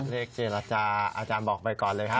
เลขเจรจาอาจารย์บอกไปก่อนเลยฮะ